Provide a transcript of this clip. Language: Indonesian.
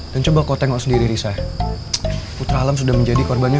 dan coba kau tengok sendiri risa putra alam sudah menjadi korbannya